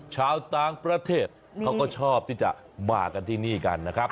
ชาวต่างประเทศเขาก็ชอบที่จะมากันที่นี่กันนะครับ